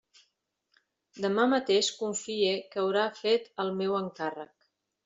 Demà mateix confie que haurà fet el meu encàrrec.